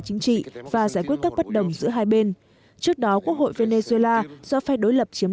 chính trị và giải quyết các bất đồng giữa hai bên trước đó quốc hội venezuela do phe đối lập chiếm